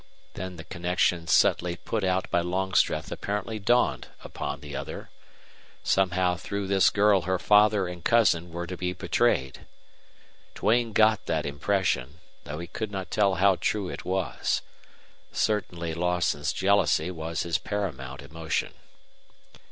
Then the connection subtly put out by Longstreth apparently dawned upon the other. Somehow through this girl her father and cousin were to be betrayed. Duane got that impression, though he could not tell how true it was. Certainly Lawson's jealousy was his paramount emotion.